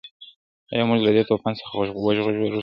ایا موږ له دې طوفان څخه وژغورل شوو؟